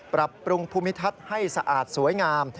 ปรับปรุงภูมิทัศน์ให้สะอาดสวยงาม